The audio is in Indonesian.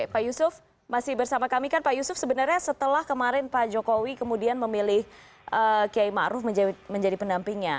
pak yusuf masih bersama kami kan pak yusuf sebenarnya setelah kemarin pak jokowi kemudian memilih km arif menjadi pendampingnya